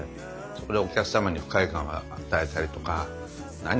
そこでお客様に不快感を与えたりとか「何？